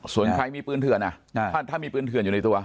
ส่วนใครมีปืนเถื่อนถ้ามีปืนเถื่อนอยู่ในตัว